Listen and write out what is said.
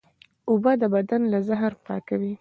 اوبه د بدن له زهرو پاکوي